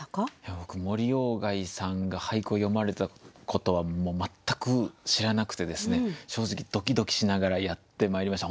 僕森鴎外さんが俳句を詠まれたことは全く知らなくてですね正直ドキドキしながらやってまいりました。